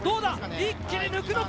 一気に抜くのか？